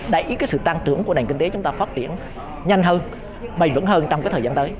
đấy cái sự tăng trưởng của nền kinh tế chúng ta phát triển nhanh hơn bày vững hơn trong cái thời gian tới